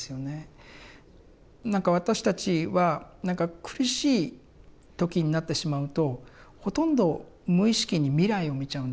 なんか私たちは苦しい時になってしまうとほとんど無意識に未来を見ちゃうんだと思うんです。